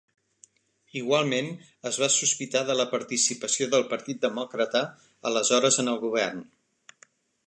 Igualment, es va sospitar de la participació del Partit Demòcrata, aleshores en el govern.